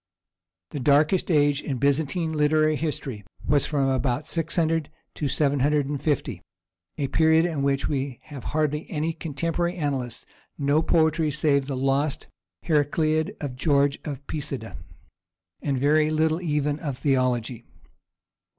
The darkest age in Byzantine literary history was from about 600 to 750, a period in which we have hardly any contemporary annalists, no poetry save the lost Heracliad of George of Pisidia, and very little even of theology.